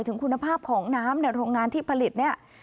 ถึงคุณภาพของน้ำในโรงงานที่ผลิตเนี่ย